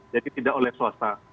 jadi tidak oleh swasta